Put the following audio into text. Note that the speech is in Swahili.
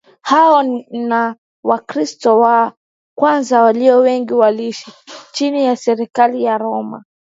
Hao na Wakristo wa kwanza walio wengi waliishi chini ya serikali ya Roma